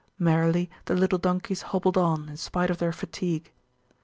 Merrily the little donkeys hobbled on, in spite of their fatigue.